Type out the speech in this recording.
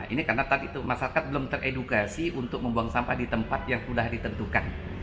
ini karena tadi tuh masyarakat belum teredukasi untuk membuang sampah di tempat yang sudah ditentukan